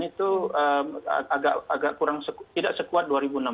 itu agak kurang tidak sekuat dua ribu enam belas